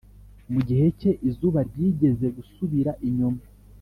Mu gihe cye, izuba ryigeze gusubira inyuma,